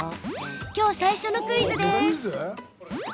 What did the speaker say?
きょう最初のクイズです。